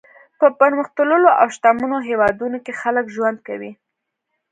په پرمختللو او شتمنو هېوادونو کې خلک ژوند کوي.